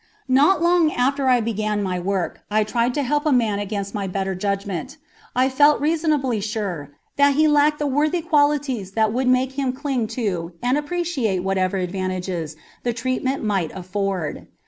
Not long after I began my work I tried to help a man against my better judgment; I felt reasonably sure that he lacked the worthy qualities that would make him cling to and appreciate whatever advantages the treatment might afford.